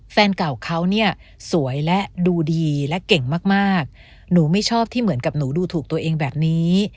แฟนเก่าเขาเนี่ยสวยและดูดีและเก่งมากมากหนูไม่ชอบที่เหมือนกับหนูดูถูกตัวเองแบบนี้